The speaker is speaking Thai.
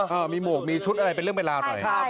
มีหมวกมีชุดอะไรเป็นเรื่องเป็นราวหน่อย